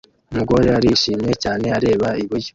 Umugore arishimye cyane areba iburyo